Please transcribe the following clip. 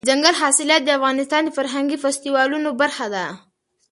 دځنګل حاصلات د افغانستان د فرهنګي فستیوالونو برخه ده.